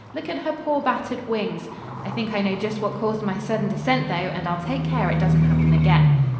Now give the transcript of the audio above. Look at her poor battered wings! I think I know just what caused my sudden descent though, and I'll take care it doesn't happen again."